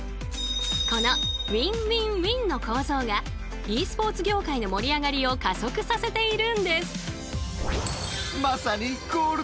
この「ＷＩＮ−ＷＩＮ−ＷＩＮ」の構造がｅスポーツ業界の盛り上がりを加速させているんです。